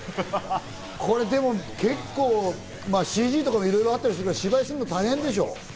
これでも、結構ＣＧとかもいろいろあったりするから、芝居も大変でしょ？